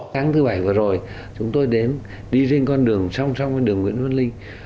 tháng thứ bảy vừa rồi chúng tôi đến đi riêng con đường song song với đường nguyễn văn linh